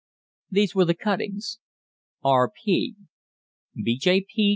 These were the cuttings: "R.